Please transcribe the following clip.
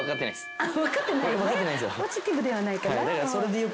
ポジティブではないかなぁ。